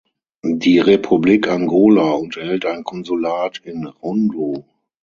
Die Republik Angola unterhält ein Konsulat in Rundu.